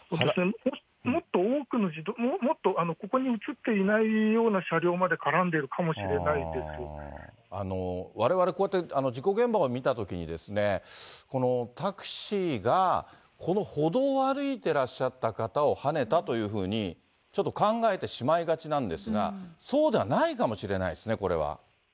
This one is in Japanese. もっと多くの、ここに映っていないような車両まで絡んでいるわれわれ、こうやって事故現場を見たときにですね、このタクシーが、この歩道を歩いてらっしゃった方をはねたというふうに、ちょっと考えてしまいがちなんですが、そうではないかもしれないですね、これは。